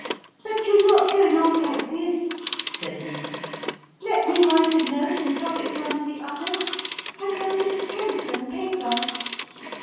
'But you're not going off like this,' said Lucy. 'Let me write a note and drop it down to the others. Have you a bit of pencil, and paper?'